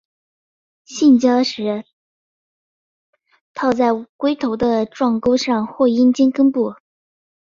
性交时套在龟头的状沟上或阴茎根部。